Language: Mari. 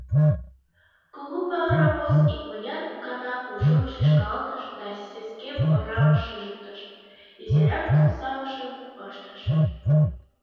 Кугу паровоз икмыняр гана кужун шӱшкалтыш да сескем орам шыжыктыш: изирак тулсавышым ыштыш.